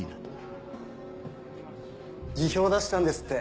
辞表出したんですって。